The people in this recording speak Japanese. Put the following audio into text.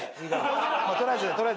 取りあえず取りあえずこっちで。